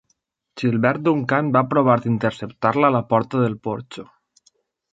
Gilbert Duncan va provar d'interceptar-la a la porta del porxo.